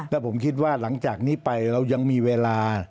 แล้วผมคิดว่าหลังจากนี้ไปเรายังมีเวลา